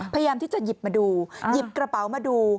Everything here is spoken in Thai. พยายามที่จะหยิบมาดูหยิบกระเป๋ามาดู